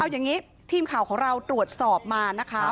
เอาอย่างนี้ทีมข่าวของเราตรวจสอบมานะคะ